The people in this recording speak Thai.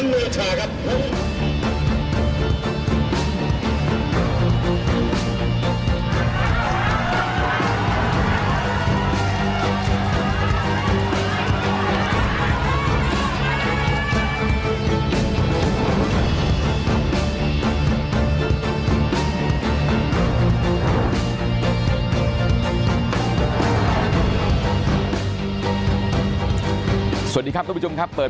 ภาคภูมิภาคภูมิ